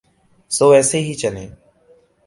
سو ایسے ہی چلے۔